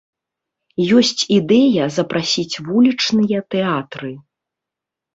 Ёсць ідэя запрасіць вулічныя тэатры.